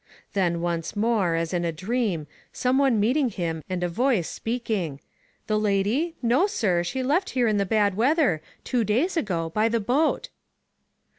Then once more, as in a dream, someone meet ing him and a voice speaking: "The lady? No, sir, she left here in the bad weather, two days ago, by the boat."